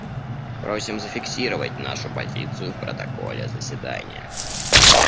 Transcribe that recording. Просим зафиксировать нашу позицию в протоколе заседания.